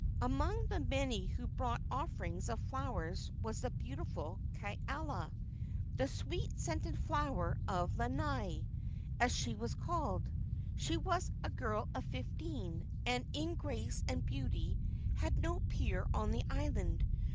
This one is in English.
Among the many who brought offerings of flowers was the beautiful Kaala, "the sweet scented flower of Lanai," as she was called. She was a girl of fifteen, and in grace and beauty had no peer on the island.